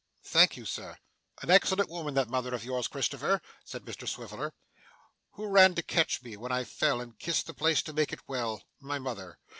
'Thank you, sir.' 'An excellent woman that mother of yours, Christopher,' said Mr Swiveller. 'Who ran to catch me when I fell, and kissed the place to make it well? My mother.